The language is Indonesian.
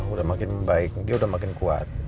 udah makin baik dia udah makin kuat